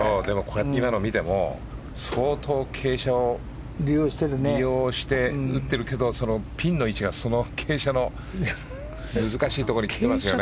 今のを見ても相当、傾斜を利用してピンの位置が、傾斜の難しいところにきていますよね。